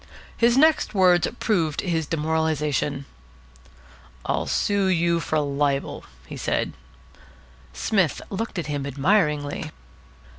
His next words proved his demoralisation. "I'll sue you for libel," said he. Psmith looked at him admiringly.